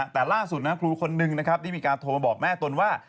แต่ล่าสุดครูคนนึงมีการโทรมาบอกแม่ตนว่า